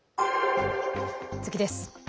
次です。